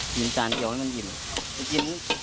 กินจานเกี่ยวให้มันอิ่ม